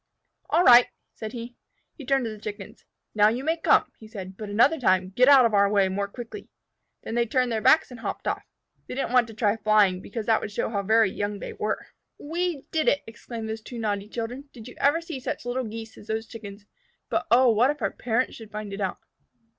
"All right!" said he. He turned to the Chickens. "Now you may come," he said. "But another time get out of our way more quickly." Then they turned their backs and hopped off. They didn't want to try flying, because that would show how very young they were. "We did it," exclaimed those two naughty children. "Did you ever see such little Geese as those Chickens? But oh, what if our parents should find it out?"